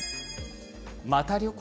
また旅行？